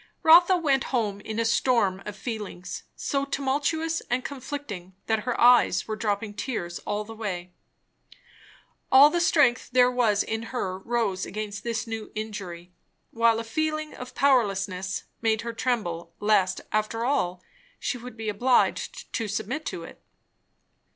Rotha went home in a storm of feelings, so tumultuous and conflicting that her eyes were dropping tears all the way. All the strength there was in her rose against this new injury; while a feeling of powerlessness made her tremble lest after all, she would be obliged to submit to it.